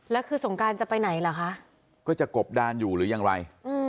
แล้วคือสงการจะไปไหนเหรอคะก็จะกบดานอยู่หรือยังไร